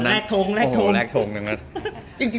พี่จักกี้ก็เจอ